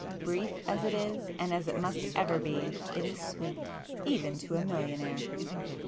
—brief as it is and as it must ever be, it is sweet!—even to a millionaire!"